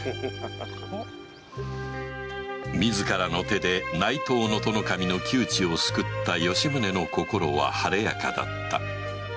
自らの手で内藤能登守の窮地を救った吉宗の心は晴れやかだった